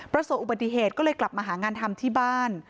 ประสบอุบัติเหตุก็เลยกลับมาหางานทำที่บ้าน